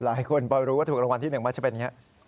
หลายคนพอรู้ว่าถูกรางวัลที่๑มักจะเป็นอย่างนี้